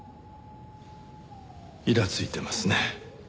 いらついてますね。